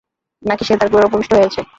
নাকি সে তার ঘোড়ায় উপবিষ্ট হয়ে আছে?